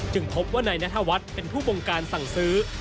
พบว่านายนัทวัฒน์เป็นผู้บงการสั่งซื้อ